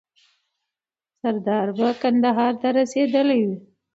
سردار به کندهار ته رسېدلی وي.